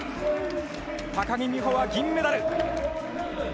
高木美帆は銀メダル。